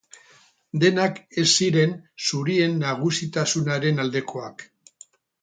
Denak ez ziren zurien nagusitasunaren aldekoak.